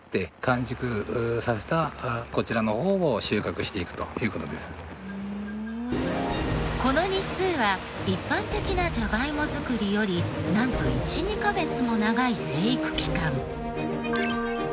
そしてひと言で言うならばこの日数は一般的なジャガイモ作りよりなんと１２カ月も長い生育期間。